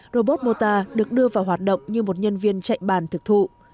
robot mota được đưa vào hoạt động như một nhân viên chạy bàn thực thụ